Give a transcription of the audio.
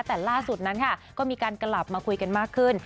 แต่ล่าสุดนั้นค่ะก็มีการกลับมาคุยกันมากขึ้น